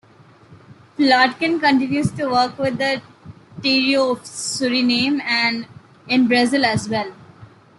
Plotkin continues to work with the Tirio of Suriname, and in Brazil as well.